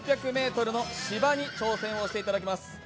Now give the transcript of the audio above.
ｍ芝に挑戦をしていただきます。